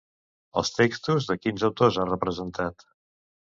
Els textos de quins autors ha representat?